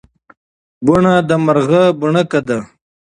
بڼه د مارغه بڼکه ده.